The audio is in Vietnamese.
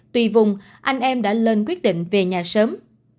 tùy vùng anh em đã lên quyết định về nhà sớm